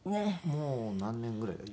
もう何年ぐらいだ。